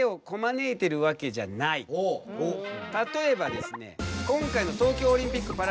例えばですね